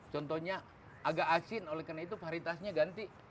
contohnya agak asin oleh karena itu varitasnya ganti